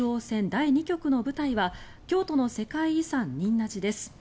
第２局の舞台は京都の世界遺産・仁和寺です。